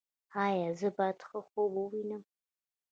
ایا زه باید ښه خوب ووینم؟